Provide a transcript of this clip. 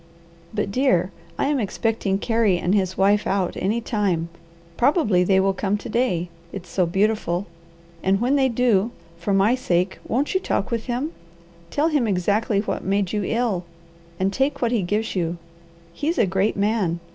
But dear, I am expecting Carey and his wife out any time; probably they will come to day, it's so beautiful; and when they do, for my sake, won't you talk with him, tell him exactly what made you ill, and take what he gives you? He's a great man.